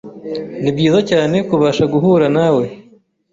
Nibyiza cyane kubasha guhura nawe.